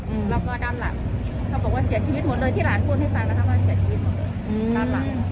อืมแล้วก็ด้านหลังเขาบอกว่าเสียชีวิตหมดเลยที่หลานพูดให้ฟังนะคะว่าเสียชีวิตอืมด้านหลัง